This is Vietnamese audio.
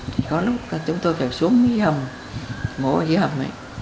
thì có lúc chúng tôi phải xuống cái hầm mổ dưới hầm